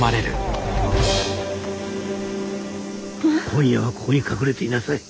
今夜はここに隠れていなさい。